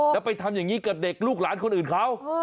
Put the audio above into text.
แล้วไปทำอย่างนี้กับเด็กลูกหลานคนอื่นเขา